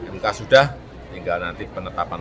mk sudah tinggal nanti penetapan